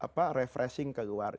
kenapa refreshing ke luar